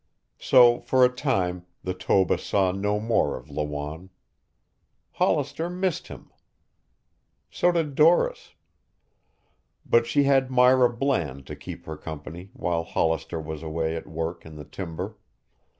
So for a time the Toba saw no more of Lawanne. Hollister missed him. So did Doris. But she had Myra Bland to keep her company while Hollister was away at work in the timber.